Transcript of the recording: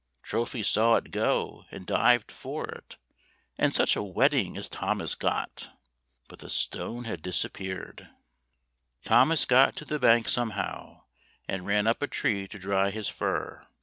Trophy saw it go, and dived for it — and such a wetting as Thomas got! But the stone had disappeared. Thomas got to the bank somehow, and ran up a tree to dry his fur.